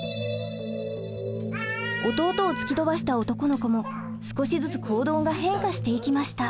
弟を突き飛ばした男の子も少しずつ行動が変化していきました。